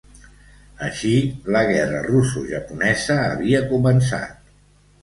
Així, la guerra russo-japonesa havia començat.